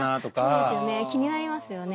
そうですよね気になりますよね。